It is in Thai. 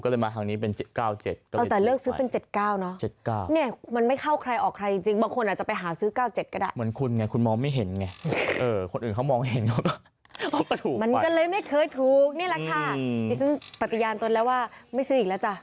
ดิฉันปฏิญาณตนแล้วว่าไม่ซื้ออีกแล้วจ้ะ